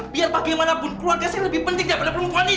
biar bagaimanapun keluarga saya lebih penting daripada perempuan itu